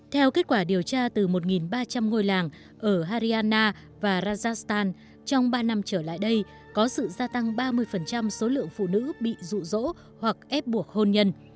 theo kết quả điều tra từ một ba trăm linh ngôi làng ở hariana và rajakhstan trong ba năm trở lại đây có sự gia tăng ba mươi số lượng phụ nữ bị rụ rỗ hoặc ép buộc hôn nhân